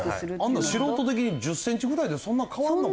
あんなん素人的に１０センチぐらいでそんなに変わるのか。